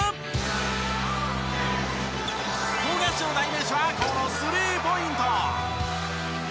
富樫の代名詞はこのスリーポイント！